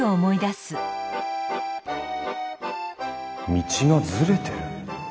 道がずれてる？